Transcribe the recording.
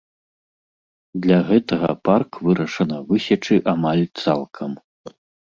Для гэтага парк вырашана высечы амаль цалкам.